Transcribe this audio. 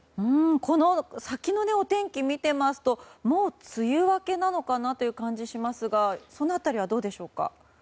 この先のお天気見てますともう梅雨明けなのかなという感じがしますがその辺りはどうでしょうか？